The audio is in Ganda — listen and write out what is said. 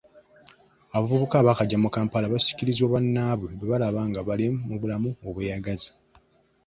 Abavubuka abaakajja mu Kampala basikirizibwa bannaabwe bebalaba nga bali mu bulamu obweyagaza.